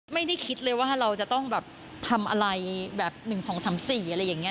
ไม่ได้คิดเลยว่าเราจะต้องแบบทำอะไรแบบ๑๒๓๔อะไรอย่างนี้